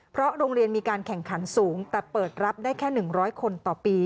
เพราะโรงเรียนมีการแข่งขันสูงแต่เปิดรับได้แค่๑๐๐คนต่อปี